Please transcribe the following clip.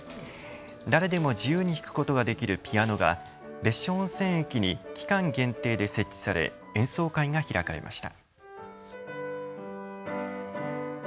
誰でも自由に弾くことができるピアノが別所温泉駅に期間限定で設置され演奏会が開かれました。